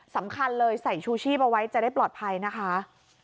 สำคัญเลยใส่ชูชีพเอาไว้จะได้ปลอดภัยนะคะ